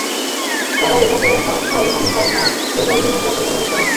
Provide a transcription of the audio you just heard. তারা এটাকে হয় অহংকার, নয় হৃদয়হীনতা বলে মনে করে।